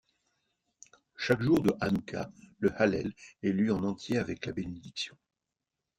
Chaque jour de Hanouka, le Hallel est lu en entier avec la bénédiction.